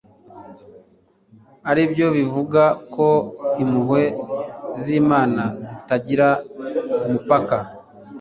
aribyo bivuga ko impuhwe z'imana zitagira umupaka